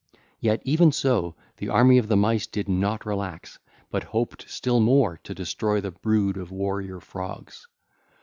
Yet even so the army of the Mice did not relax, but hoped still more to destroy the brood of warrior Frogs.